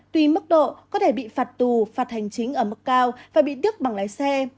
tuy mức độ có thể bị phạt tù phạt hành chính ở mức cao và bị tước bằng lái xe